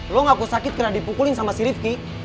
lo gak mau sakit kena dipukulin sama si rifki